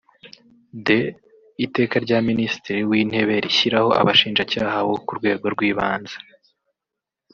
d) Iteka rya Minisitiri w’Intebe rishyiraho Abashinjacyaha bo ku Rwego rw’Ibanze